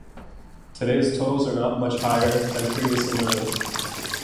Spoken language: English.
Today's tolls are not much higher than previously noted.